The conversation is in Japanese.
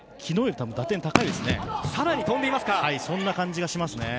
はい、そんな感じがします。